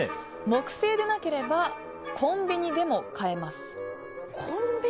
木製でなければコンビニでも買えます。